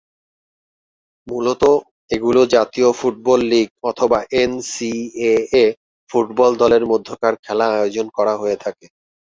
মূলতঃ এগুলোয় জাতীয় football league অথবা এনসিএএ ফুটবল দলের মধ্যকার খেলা আয়োজন করা হয়ে থাকে।